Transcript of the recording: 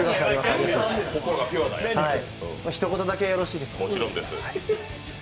ひと言だけ、よろしいですか。